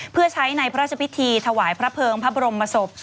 เพื่อใช้ในพระราชพิธีถวายพระเภิงพระบรมศพ